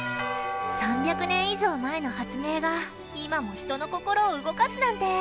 ３００年以上前の発明が今も人の心を動かすなんて